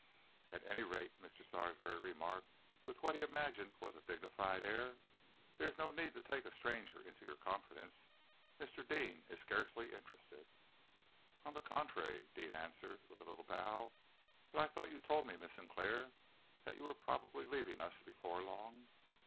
"At any rate," Mr. Sarsby remarked, with what he imagined was a dignified air, "there is no need to take a stranger into your confidence. Mr. Deane is scarcely interested." "On the contrary," Deane answered, with a little bow. "But I thought you told me, Miss Sinclair, that you were probably leaving us before long."